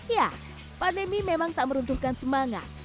ya pandemi memang tak meruntuhkan semangat